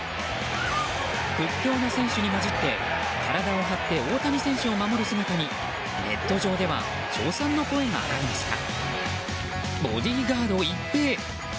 屈強な選手に交じって体を張って大谷選手を守る姿にネット上では称賛の声が上がりました。